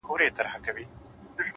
علم د فکر ژوروالی زیاتوي